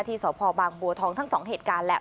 ที่สพบางบัวทองทั้งสองเหตุการณ์แหละ